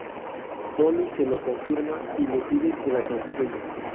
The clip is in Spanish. Tony se lo confirma y le pide que la construya.